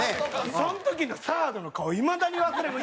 その時のサードの顔いまだに忘れん。